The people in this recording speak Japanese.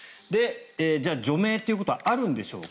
じゃあ除名ということはあるんでしょうか